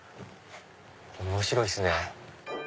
面白いっすね！